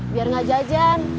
biar ngajak ajaan